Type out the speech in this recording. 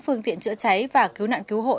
phương tiện chữa cháy và cứu nạn cứu hộ